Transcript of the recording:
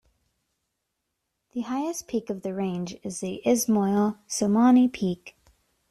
The highest peak of the range is the Ismoil Somoni Peak.